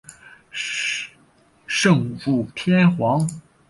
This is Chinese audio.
圣武天皇。